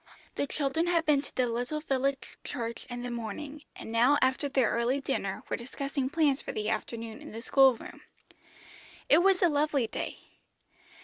The children had been to the little village church in the morning, and now after their early dinner were discussing plans for the afternoon in the school room. It was a lovely day.